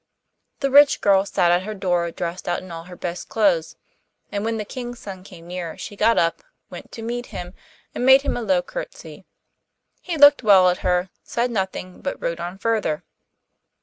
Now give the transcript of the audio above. The rich girl sat at her door dressed out in all her best clothes, and when the King's son came near she got up, went to meet him, and made him a low curtsey. He looked well at her, said nothing, but rode on further.